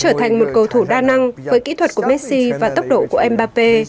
tôi là một cầu thủ đa năng với kỹ thuật của messi và tốc độ của mbappé